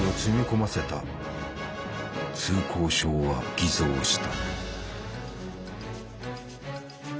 通行証は偽造した。